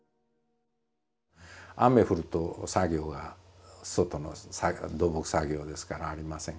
雨降ると作業が外の土木作業ですからありません